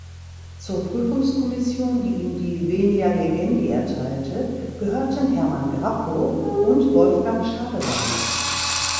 Zur Prüfungskommission, die ihm die Venia legendi erteilte, gehörten Hermann Grapow und Wolfgang Schadewaldt.